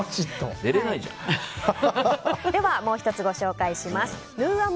もう１つ、ご紹介します。